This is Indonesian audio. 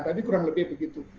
tapi kurang lebih begitu